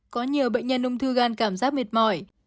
có nhiều bệnh nhân ung thư gan cảm giác mệt mỏi